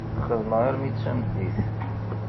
Xedmeγ armi d tameddit.